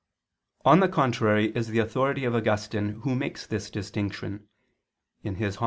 On the contrary is the authority of Augustine who makes this distinction (De Verb. Dom.